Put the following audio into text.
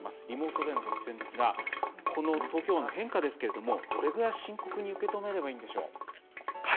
リモートでのご出演ですがこの東京湾の変化ですけれどもどれぐらい深刻に受け止めればいいんでしょう？